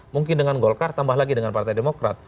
mungkin dengan golkar tambah lagi dengan partai demokrat